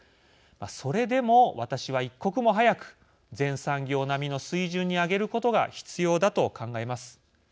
それでも私は一刻も早く全産業並みの水準に上げることが必要だと考えます。